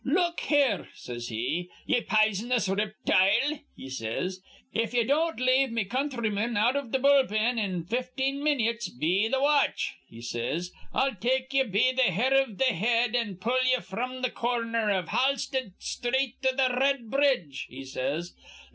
'Look here,' says he, 'ye pizenous riptile,' he says, 'if ye don't lave me counthryman out iv th' bull pen in fifteen minyits be th' watch,' he says, 'I'll take ye be th' hair iv th' head an' pull ye fr'm th' corner iv Halsted Sthreet to th' r red bridge,' he says.